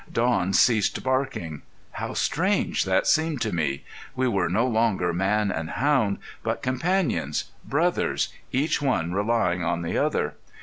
Don ceased barking. How strange that seemed to me! We were no longer man and hound, but companions, brothers, each one relying on the other.